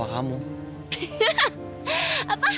hahaha apa takut dimarahin